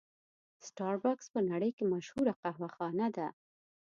سټار بکس په نړۍ کې مشهوره قهوه خانه ده.